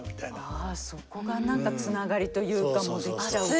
ああそこが何かつながりというかもう出来ちゃうと。